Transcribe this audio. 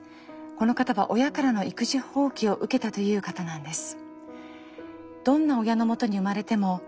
この方は親からの育児放棄を受けたという方なんです。